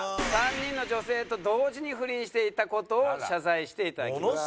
３人の女性と同時に不倫していた事を謝罪していただきます。